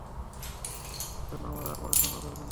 কিন্তু পাইলট হবার জন্য আমার আর পড়াশোনা করার দরকারই নেই।